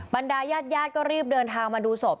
บรรดายาดก็รีบเดินทางมาดูศพ